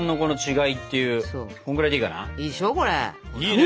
いいね！